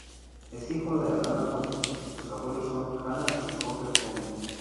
Es hijo de Alana Dow, sus abuelos son Hannah y Roger Dow.